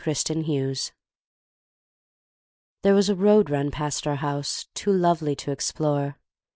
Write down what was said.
The Unexplorer THERE was a road ran past our house Too lovely to explore.